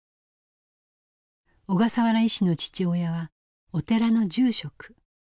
小笠原医師の父親はお寺の住職。